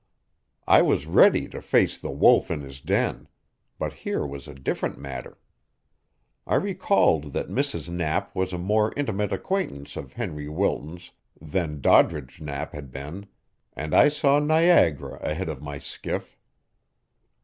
I was ready to face the Wolf in his den, but here was a different matter. I recalled that Mrs. Knapp was a more intimate acquaintance of Henry Wilton's than Doddridge Knapp had been, and I saw Niagara ahead of my skiff.